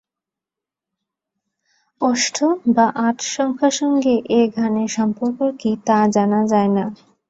অষ্ট বা আট সংখ্যার সঙ্গে এ গানের সম্পর্ক কি, তা জানা যায় না।